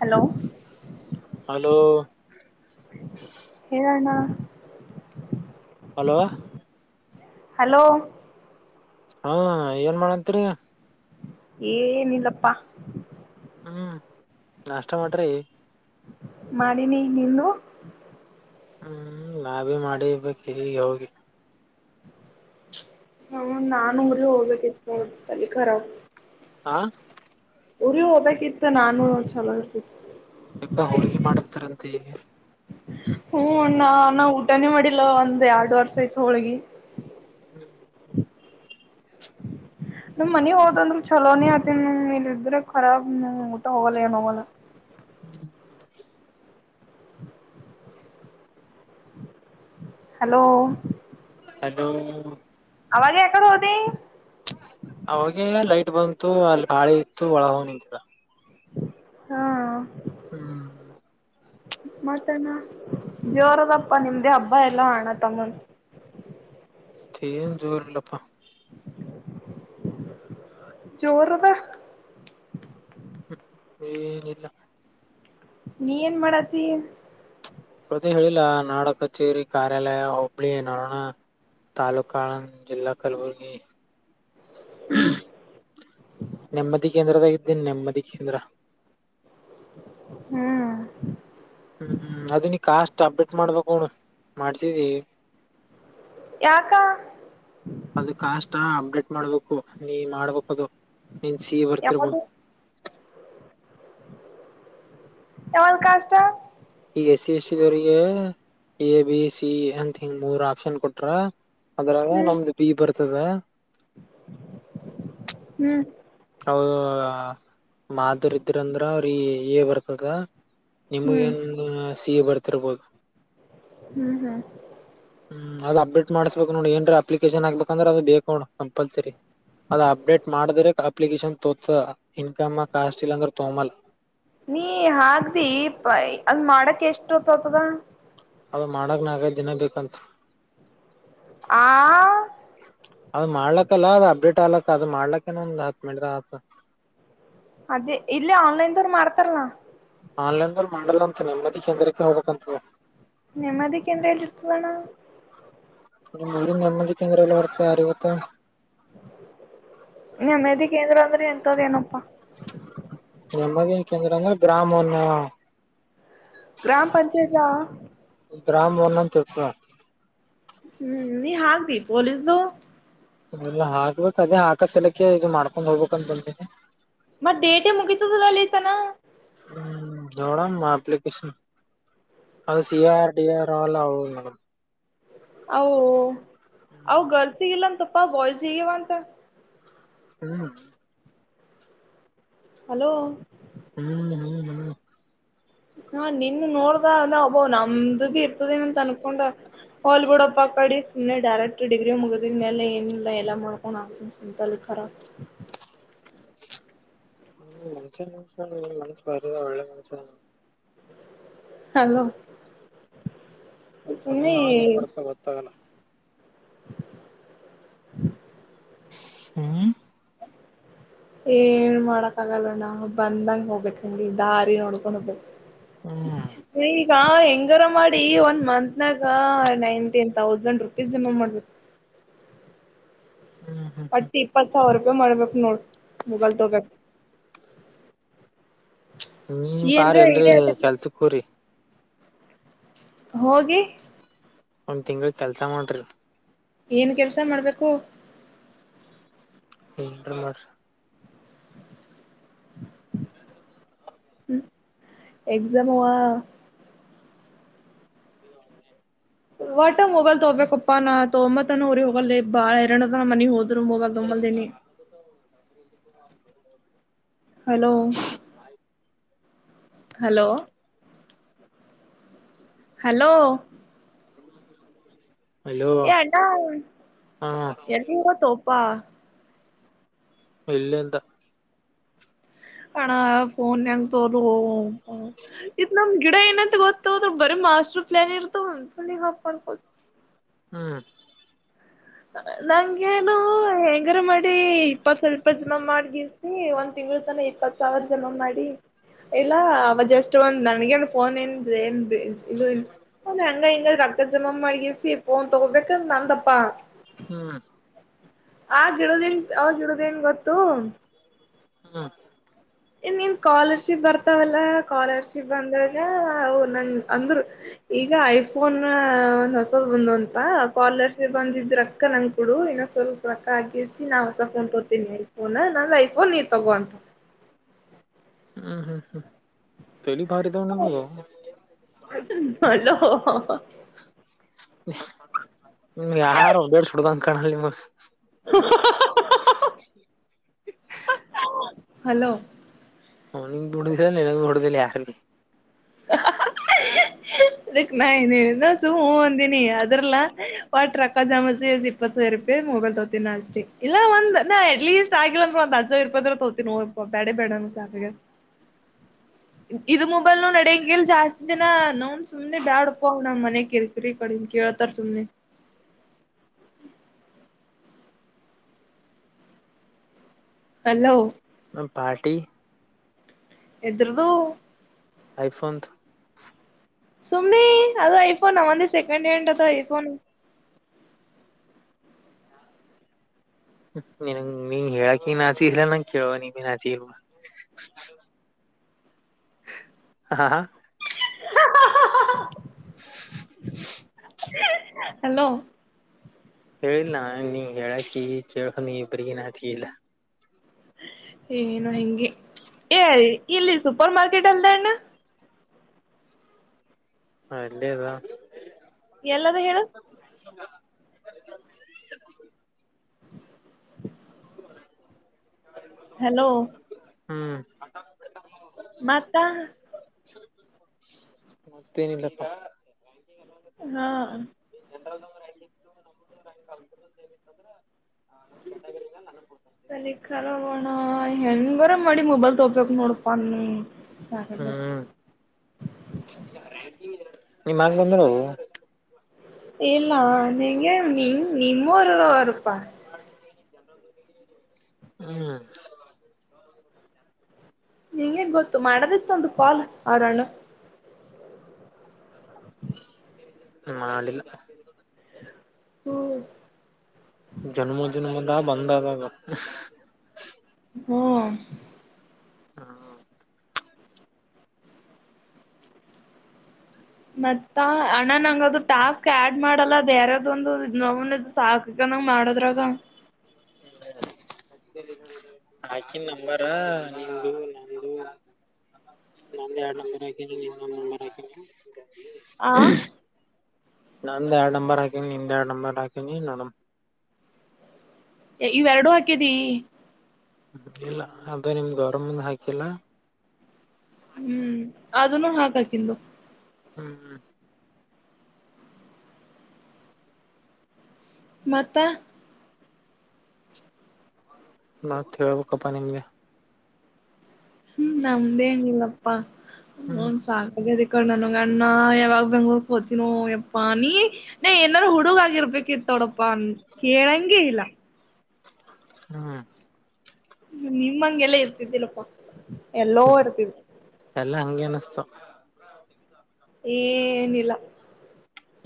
Hello hello ಹೇಳಣ್ಣ hello hello ಹಾ ಏನ್ ಮಾಡತ್ರಿ ಏನಿಲ್ಲಪ್ಪಾ ಹ್ಮ್ ನಾಷ್ಟ ಮಾಡ್ರಿ ಮಾಡಿನಿ ನೀನು ಹ್ಮ್ ಲಾಬಿ ಮಾಡಿರ್ಬೇಕಗ ಹೋಗಿ ಹ್ಮ ನಾನು ಊರಿಗೆ ಹೋಗ್ಬೇಕತ್ತುಲ್ಲಿ ಖರ ಹಾ ಉರಿ ಹಓದಕ್ ಇತ್ತು ನಾನು ಒಂದ ಚಲೋ ಇರ್ತ ಯಗ ಹೋಳಿ ಮಾಡಕ್ತಾರಂತೆ ಗೆ ಹ್ಮ ಅಣ್ಣ ನಾ ಊಟನೇ ಮಾಡಿಲ್ಲ ಒಂದ್ ಎರಡು ವರ್ಷ ಆಯತು ಹೋಳ್ಗಿ ಹ್ಮ [inaudible] ನಮ್ ಮನ ಹೋದಂದ್ರು ಚಲೋನೇ ಆತಿ ಇಲ್ಲ ಇದ್ರೆಖರಾಬ್ ಊಟ ಹೋಗಲ್ಲ ಏನ್ ಹೋಗಲ್ಲ ಹ [unintelligible] ಹಲೋ ಅದುೋ ಅವವಾಗ ಯಾಕಡೆ ಹೂ ಅವಾಗ ಲೈಟ್ ಬಂತು ಅಲ್ಲಿ ಬಾಳೆ ಇತ್ತು ಒಳ ಹ ನಿಂತದ ಹಾ ಹ್ಮ್ ಮತ್ತ ಜೋರದಪ್ಪ ನಿಮ್ದೆ ಹಬ್ಬ ಎಲ್ಲಾ ಹಣ ತಮ್ಮನ್ [inaudible] ಏನ್ ಜೋರಿಲ್ಲಪ್ಪ ಜೋರುದಾ ಹ್ಮ್ ಹ್ಮ್ ಏನಲ್ಲ ನೀ ಏನ್ ಮಾಡತಿ ಸೌದ ಹೇಳಿಲ್ಲಾ ನಾಡ ಕಚೇರಿ ಕಾರ್ಯಾಲಯ ಒಬ್ಳಿ ನೋಡೋಣ ತಾಲೂಕ ಅಣ್ಣ ಇಲ್ಲ ಕಲಬುರ್ಗಿ ಹ್ಮ್ ನೆಮ್ಮದಿ ಕೇಂದ್ರದಾಗಿ ದನ್ ನೆಮ್ಮದಿ ಕೇಂದ್ರ ಹ್ಮ್ ಹ್ಮ್ ಅದ ನೀ ಕಾಸ್ಟ್ ಅಪ್ಡೇಟ್ ಮಾಡ್ಬೇಕು ಮಾಡ್ಸಿದಿ ಯಾಕ ಅದು ಕಾಸ್ಟ್ ಅಪ್ಡೇಟ್ ಮಾಡ್ಬೇಕು ನೀ ಮಾಡ್ಬೇಕು ಅದು ನೀನ್ ಸಿೀ ಬರ್ತರಬೋ ಯಾವುದು caste S C S T ಅವರಿಗೆ ಎ ಬಿ ಸಿ ಅಂತ ಹಿಂಗ ಮೂರ್ ಆಪ್ಷನ್ ಕೊಟ್ರ ಅದ್ರಾಗ ಹ್ಮ್ ನಮ್ದು ಬಿ ಬರ್ತದ ಹ್ಮ್ ಹೌ ಮಾದುರ್ ಇದ್ದರಂದ್ರ ಅವ್ರಗೆ ಏ ಬರ್ತದ ನಿಮಗ ಹ್ಮ್ ನ್ ಹ ಸಿ ಬರ್ತರ್ಬೋದು ಹ್ಮ್ ಹ್ಮ್ ಹ್ಮ್ ಅಡಟ್ ಮಾಡ್ಬೇಕ ನೋಡಿ ಏನ್ರಿ ಅಪ್ಲಿಕೇಶನ್ ಆಗ್ಬೇಕಂದ್ರ ಅದು ಬೇಕ ನೋ ಕಂಪಲ್ಸರಿ ಅದ ಅಪ್ಡೇಟ್ ಮಾಡದ್ರ ಅಪ್ಲಿಕೇಶನ್ ತೋತ ಇನ್ಕಮ್ ಕಾಸ್ಟ್ ಇಲ್ಲ ಅಂದ್ರ ತೋಮಲ್ಲ ನೀ ಹಾಗಗ್ದಿ ಅಲ್ ಮಾಡಕ್ ಎಷ್ಟುತತದ ಅದು ಮಾಡಕ್ ನಾಗೈ ದಿನ ಬೇಕಂತ ಆ ಅದ್ ಮಾಡ್ಲಕ್ಕಲ್ಲ ಅ ಅಪ್ಡೇಟ್ ಆಗ್ಲಕ್ ಅದ್ ಮಾಡ್ಲಕ್ಕಏನ ಒಂದ್ ಹತ್ ಮೆಟದ ಆತ ಅದೇ ಇಲ್ಲ ಆನ್ಲೈನ್ದವರು ಮಾಡ್ತಾರಲ್ಲ ಆನ್ಲೈನ್ಲ್ ಮಾಡಲ್ಲ ಅಂತ ನೆಮ್ಮದಿ ಕೇಂದ್ರಕ್ಕೆ ಹೋಗಬೇಕಂತ ನೆಮ್ಮದಿಕ್ಕೆ ಎಂದಲಿ ಇರ್ತದಣ ಮ ನರ್ಮದಿ ಕೇಂದ್ರಲ್ಲ ವರ್ತ ಯಾರಗತ್ತ ನೆಮ್ಮೆದಿಿಕ ಂದರು ಅಂದ್ರೆ ಎಂತದೇನಪ್ಪಾ ಎಮ್ಮದನ ಕೇಂದ್ರಂದ ಗ್ರಾಮನ್ನ ಗ್ರಾಮ ಪಂಚಾಯತ್ಾ ಗ್ರಾಮವನ್ನ ಚೊಪ ಹ್ಮ್ ನೀ ಹಾಗಾಕ್್ದಿ ಪೊಲೀಸ್ದ ಎಲ್ಲಾ ಹಾಕ್ಬೇಕು ಅದೇ ಹಾಕ ಸಲಕ್ಕೆ ಇದು ಮಾಡ್ಕೊಂಡ್ ಹೋಗ್ಬೇಕು ಅಂತ ಬಂತೀನಿ ಮತ್ತ ಡೇಟೆ ಮುಗಿತದಲ್ಲಿತನ ಹ್ಮ್ ದೋಡಣ ಆಪ್ಲಿಕೇಶನ್ ಅದು ಸಿಆರ್ ಡಿಆರ್ಲ್ಲ ಆಗ ಓ ಅವ ಗರ್ಲ್ಸ್ ಹಗಿಲ್ಲಂತಪ್ಪಾ ಬಾಯ್ಸ್ ಹಗಿವ ಅಂತ ಹ ಹಲೋ ಹ್ಮ ನೀ ಹಾ ನಿನ್ ನೋಡ್ದ ನಾ ಒಬ್ಬೋ ನಮ್ದಬಿ ಇರ್ತದ ಏನ್ ಅಂತ ಅನ್ಕೊಂಡ. ಹೋಲಿ ಬಿಡ್ಪ ಅ ಕಡಿ ಸುಮ್ನೆಡೈರೆಕ್ಟ್ ಡಿಗ್ರಿ ಮುಗಿದ ಮೇಲೆ ಏನಿಲ್ಲ ಎಲ್ಲ ಮಾಡ್ಕೊಂಡು ಆಂತಲ್ಲ. [inaudible] [unintelligible] ಹಲೋ. ಹ್ಮ ಸುಮ್ನೆ ಚನ್ನಾಗಿ ಅವ ಏನ್ ಬರ್ತ ಗೊತ್ತಾಗಲ್ಲ ಹ್ಮ್ ಏನ್ ಮಾಡಕ್ ಆಗಲ್ಲ ನಾವು ಬಂದಂಗ ಹೋಗ್ಬೇಕಕ್ಂಗಗೆ ದಾರಿ ನೋಡ್ಕೊಂಡ ಹೋಗು ಹ್ಮ್ ಹಾ ಹೆಂಗಾರ ಮಾಡಿ ಒನ್ ಮಂತ್ನಾಗ ನೈನ್ಟಿನ್ ತೌಸಂಡ್ ರುಪೀಸ್ ಜಮಾ ಮಾಡ್ಬೇಕು ಹ ಹ್ಮ್ ಹ್ಮ್ ಹ್ಮ್ ಅಟ್ಟ ಇಪ್ಪತ್ ಸಾವಿರ ರೂಪಾಯಿ ಮಾಡ್ಬೇಕು ನೋಡ ಮುಗಲ್ ತಗ ನೀ ಪಾರ್ ಎಲ್ರಿ ಕೆಲ್ಸಕ್ೋರಿ ಹೋಗಿ ಒಂದ್ ತಿಂಗಳ ಕೆಲ್ಸ ಮಾಡೋ್ರಿ ಏನ್ ಕೆಲ್ಸ ಮಾಡ್ಬೇಕು [unintelligible] ಹ್ಮ ಎಕ್ಸಾಮವಾ. ಒಟಂಗ ಮೊಬೈಲ್ ತೋಬೇಕಪ್ಪಾನ ತೋಮ್ಮನ ಊರಿಗಿ ಹೋಗಲ ನಾ ಬಾಳ ಐರಣ ಮನಗ್ ಹೋದ ರು ಮೋಬಲ್ದೊಬಲ್ದನೆ ಹಲೋ, ಹಲೋ ಹಲೋ ಅಲೋ ಏ ಅಣ್ಣ ಹಾ ಎಲ್ಲಿಗಿ ಹೊತ್ತೋಪ. ಇಲ್ಲಿ ಇಂದ್. ಅಣ ಫೋನ್ ಯಂಗ ತೋಲೊ ಇದುನಮ್ ಗಿಡ ಏನಂತ ಗೊತ್ತು, ಬರೇ ಮಾಸ್ಟರ್ ಪ್ಲಾನ ಇರ್ತದ. ಹ್ಮ್. ನಂಗೆೇನು ಹೆಂಗಾರ ಮಾಡಿ ಇಪ್ಪ ಸ್ವಲ್ಪ ಜನ ಮಾಡಗಿಸಿ ಒಂದ ತಿಂಗಳ ತನಾ ಇಪ್ಪತ್ ಸಾವಿರ ಜಮ ಮಾಡಿ, ಇಲ್ಲ ಅವ ಜಸ್ಟ್ ಒಂದ್ ನನ್ಗನ್ ಫೋನ್ ಎನ್ ಜೆನ್, ಇ ಇಲ್ಲ ಹಂಗ ಹೆಂಗ ರೊಕ್ಕ ಜಮಾ ಮಾಡಗೇಸಿ ಫೋನ್ ತೊಗೊಬೆಕ್ ಅಂತ್ ನಂದಪ. ಹ್ಮ್. ಆ ಗಿಡುದನ್ ಅವ ಗಿಡುದನ್ ಗೊತ್ತು. ಹ್ಮ. ಇ ನೀನ್ ಸ್ಕಾಲರ್ಶಿಪ್ ಬರ್ತಾವಲ್ಲ ಸ್ಕಾಲರ್ಶಿಪ್ ಬಂದಾಗ ಅವು ನನ್ ಅಂದ್ರು ಈಗ ಐಫೋನ್ ಒಂದ್ ಹೊಸದ ಬಂದು ಅಂತ ಸ್ಕಾಲರ್ಶಿಪ್ ಬಂದಿದ್ ರೊಕ್ಕ. ನಂ ಕಡು ಇನ್ನ ಸ್ವಲ್ಪ ರೊಕ್ಕ ಆಗಿಸಿ ನಾ ಹೊಸ ಫೋನ್ ತೋತೀನಿ ನಿನ್ನ ಫೋನ್ ಹಾ ನಂದ್ ಐಫೋನ್ ನೀ ತೊಗೊ ಅಂತ. ಹ್ಮ್ ಹ್ಮ್ ಹ್ಮ್ ತೇಲಿ ಬಾರಿ ಈದ್ಗಾ ಆದ. ಹಲೋ, ಯಾರು ಬೇಡ್ ಸುಡ್ದ ಅಂದ ಕಾಣಲ್ ನಿಮ ಹಲೋ, [unintelligible] ಅದಕ್ಕ ನಾ ಹೇಳ್ದ ಸುಮ್ಮ ಹ್ಮ್ ಅಂದಿನಿ ಅದ್ರಲ್ಲ, ಒಟ್ಟ ರೊಕ್ಕ ಜಮಾಸಿ ಇಪ್ಪತ್ ಸಾವಿರ ರೂಪಾಯಿ ಮೊಬೈಲ್ ತೊತ್ತಿನಿ ಅಷ್ಟೇ ಇಲ್ಲ ಒಂದ್ ನ ಅಟ್ ಲೀಸ್ಟ್ ಆಗಿಲ್ಲ ಅಂದ ಎರಡು ಸಾವಿರಪದರೆ ತೋತಿನಿ ಬೇಡ ಬೇಡ ನಂಗ್ ಸಾಕ ಆಗ್ಯದ ಇದು ಮೊಬೈಲ್ ನ ಹೆಂಗಗೆಲ್ ಜಾಸ್ತಿ ದಿನ ನೋನ್ ಸುಮ್ನೆ ಬ್ಯಾಡಪ್ಪ ಅವ್ ನಮ್ಮ್ ಮನೆಗ ಕಿರಿ ಕಿರಿ ಕಡನ್ ಕೇಳ್ತಾರ ಸುಮ್ನೆ. [inaudible] ಹಲೋ, ನನ್ನ ಪಾರ್ಟಿ. ಎದರದು. ಐಫೋನ್ದು. ಸುಮ್ನೆ ಅದು ಐಫೋನ್ ಅವವಂದ ಸೆಕೆಂಡ್ ಹ್ಯಾಂಡ್ ಅದು ಐಫೋನ್. ನೀ ನೀನ್ ಹೇಳಕ ನಾಚಿ ಇಲ್ಲ ನಂಗ ಕೇಳೋನಿಗಿ ಬೀ ನಾಚಿಗಿ ಇಲ್. ಹಾ ಹಾ. ಹಲೋ ಹೇಳಿಲ್ಲಾ ನೀ ಹೇಳಕಿ ಈ ಚೇಳ್ಕ ನೀ ಇಬರಿಗಿ ನಾಚಿಕೆ ಇಲ್ಲ. ಏನು ಇಂಗೆ ಎ ಇಲ್ಲಿ ಸೂಪರ್ ಮಾರ್ಕೆಟ್ ಅಲ್ದ ಅಣ್ಣ. ಹ ಎಲ್ಲೇದಾ. ಎಲ್ಲದ ಹೇಳು. [inaudible] ಹಲೋ, ಹ್ಮ್. ಮತ ಮತ್ತೇನಿಲ್ಲಪ್ಪ ಹಾ ಪರಿಖಾರೋಗೋಣ ಹೆಂಗರ ಮಾಡಿ ಮೊಬೈಲ್ ತೊಬೇಕಕ್ ನೋಡ್ಪ ಅನ್ನಿ ಅ ನಿಮ್ಮಾಗ ಬಂದರು ಇಲ್ಲಾ ನಿಗೆ ನಿ ನಿಮ್ಮವರು ಅವರುಪಾ ಹ್ಮ್ ನಿಂಗೆ ಗೊತ್ತು ಮಾಡದಿತ್ತಂದು ಪಾಲ್ ಆರಣ ಮಾಡಡಿಲ್ಲ ಹ್ಮ್ ಜನ್ಮ ಜನ್ಮದಾ ಬಂದದಾಗ ಹ್ಮ ಹಾ ಮತ್ತ ಅಣ್ಣ ನಂಗ ಟಾಸ್ಕ್ ಆಡ್ ಮಾಡಲ್ಲ ಬೇರೆ ಯ್ದ ಒಂದು ನದು ಸಾಕನಂಗ ಮಾಡದ್ರಾಗ ಹಾಕನ್ ನಂಬಾರ ನಿಮ್ದ ನಂದು ನಂದ ಎರಡು ನಂಬರ ಹಕ ಇ ನಂಬರ ಆಕಿ ಆ ನಂದು ಹ್ಯಾಡ್ ನಂಬರ್ ಹಾಕೀನಿ ಎರಡು ನಂಬರ್ ಹಾಕೀನಿ ನಾನು ಇವೆರಡುಹಾಕಿದಿ ಇಲ್ಲ ಅದು ನಿಮ್ ಗೌರಮ್ಮಮುಂದ ಹಾಕಿಲ್ಲ ಹ್ಮ್ ಅದನು ಹಾಗಾಕಂದು ಹ್ಮ್ ಹ್ಮ್ ಮತ್ತ ಮ ಹೇಳ್ಬೇಕಪ್ಪಾ ನಿಮ್ಗೆ ಹ್ಮ್ ನಮ್ದೇ ಹೆಂನಿಮಲ್ಲಪ್ಪಾ ಹ ಹ್ಮ್ ಸಾಕ ಕಣ್ಣನಗೆ ಅಣ್ಣ ಯಾವಾಗ ಬೆಂಗ್ಳೂರ್ ಹೋತನೋ ಯಪ್ಪ ನೀ ನ ಏನಾರು ಹುಡುಗ ಆಗಿರ್ಬೇಕಿತ್ತ ತೊಡಪ್ಪ ಅ ಕೇಳಂಗ ಇಲ್ಲ ಹ್ಮ್ ನಿಮ್ಮ ಹಂಗೆಲ್ಲ ಇರ್ತಿದ್ದಿಲ್ಲಪ್ಪಾ ಎಲ್ಲೋ ಇರ್ತಿದ್ ಎಲ್ಲ ಹಂಗೆ ಅನಸ್ತ ಏನಲ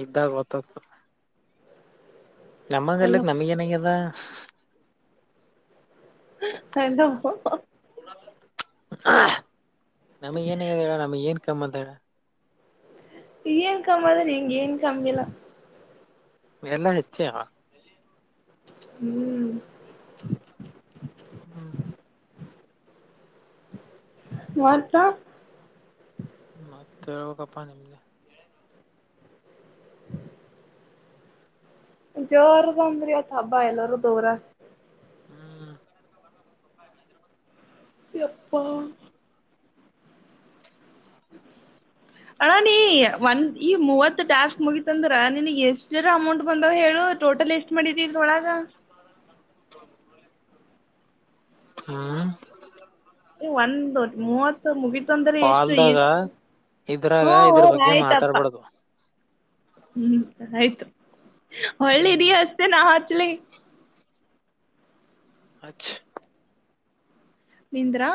ಇದ್ದಾಗ ಗೊತ್ತತ್ತು ನಮ್ಮ ಹಲೋ ಗಲ್ಲಕ್ ನಮಗೆನಗೆದಾ ಹನು ನಮಗ್ ಏನ್ಡ ನಮಗ್ ಏನ್ ಕಮ್ಮದಡ ಏನ್ ಕಮ್ಮಾದ ನೀಂಗ ಏನ್ ಕಮ್ಮಿಲ್ಲಾ ಎಲ್ಲ ಹೆಚ್ಚ ಹ್ಮ್ ಹ್ಮ್ ವರ್ತಾ ಮತ್ತೆ ಕಪ್ಪ ನಿಮಲೆ ಜೋರ ಬಂದ್ರರಿ ಒತ್ತು ಹಬ್ಬಾ ಎಲ್ಲಾರೂ ದೋರ ಹ್ಮ ಎಪ್ಪ ಹ ಅಣ ನೀ ಒಂದ್ ಈ ಮೂವತ್ತು ಟಾಸ್ಕ್ ಮುಗಿತಂದ್ರ ನಿನ್ಗ್ ಎಷ್ಟ ಜರ ಅಮೌಂಟ್ ಬಂದವ ಹೇಳ ಟೋಟಲ್ ಲಷ್ಟ್ ಮಾಡಿದ್ದ ಗೋಳ ಹ್ಮ್ ಒಂದು ಮೂವತ್ ಮುಗಿತಂದ್ರೆ ಎಷ್ಟು ಈ ಕಲ್ದಾಗ ಹ್ಮ ಇದ್ರಾಗ ಹೋ ಇದ್ರ ಬಗ್ಗೆ ಆಯ್ತಪ್ಪ ಮಾತಾಡ್ಬಾರಡ್ದು ಹ್ಮ್ ಆಯ್ತು ಒಳ್ಳಿದ ಹ್ಮ್ ಅಷ್ಟೇ ನಾ ಹಚ್ಲಿ ಅ ನಿಂದ್ರಾ